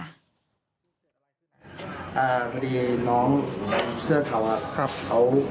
พอดีน้องเสื้อขาว